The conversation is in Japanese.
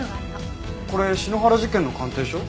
これ篠原事件の鑑定書？